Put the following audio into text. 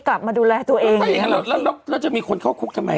กลับมาดูแลตัวเองถ้าอย่างนั้นแล้วแล้วจะมีคนเข้าคุกทำไม